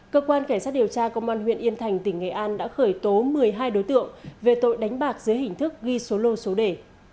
công an huyện yên thành đã khởi tố một mươi hai đối tượng về tội đánh bạc dưới hình thức ghi số lô số đề